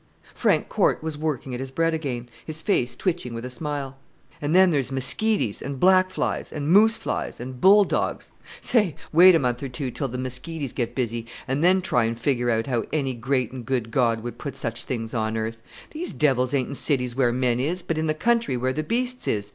Frank Corte was working at his bread again, his face twitching with a smile. "And then there's miskities, and black flies, and moose flies, and bull dogs. Say! wait a month or two till the miskities get busy, and then try and figure out how any great and good God would put such things on earth! These devils ain't in cities where men is, but in the country where the beasts is.